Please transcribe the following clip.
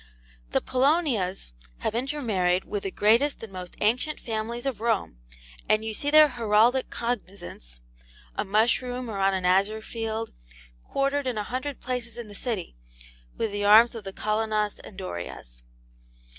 'The Polonias have intermarried with the greatest and most ancient families of Rome, and you see their heraldic cognizance (a mushroom or on an azure field) quartered in a hundred places in the city with the arms of the Colonnas and Dorias.